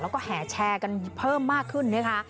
แล้วก็แห่แชร์กันเพิ่มมากขึ้นนะคะ